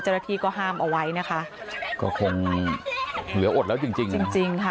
เจรฐีก็ห้ามเอาไว้นะคะก็คงเหลืออดแล้วจริงจริงจริงจริงค่ะ